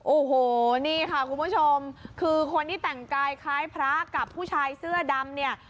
โอ่โหนี่ค่ะคุณผู้ชมคือคนและผู้ชายเสื้อดำเนี่ย